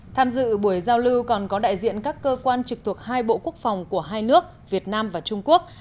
tham dự buổi giao lưu còn có đại diện các cơ quan trực thuộc hai bộ quốc phòng của hai nước việt nam và trung quốc